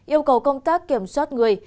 yêu cầu công tác kiểm soát người